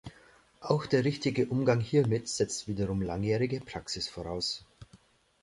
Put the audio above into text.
Auch der richtige Umgang hiermit setzt wiederum langjährige Praxis voraus.